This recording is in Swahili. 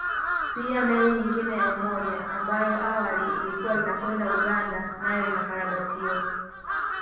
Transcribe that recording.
Pia meli nyingine ya Umoja ambayo awali ilikuwa inakwenda Uganda nayo inakarabatiwa